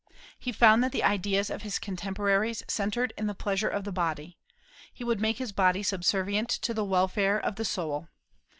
He found that the ideas of his contemporaries centred in the pleasure of the body: he would make his body subservient to the welfare of the soul.